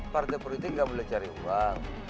partai politik nggak boleh cari uang